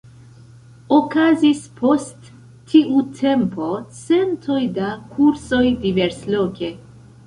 Okazis post tiu tempo centoj da kursoj diversloke.